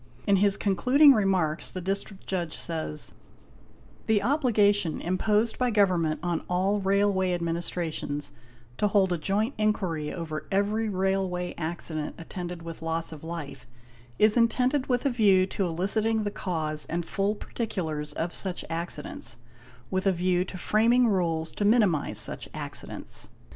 In his concluding remarks the District Judge says : ''The obligation imposed by Government on all Railway Administrations to hold a joint inquiry over eyery railway accident attended with loss of life is intended with a view to eliciting the cause and full particulars of such accidents with a view to framing rules to minimise such accidents.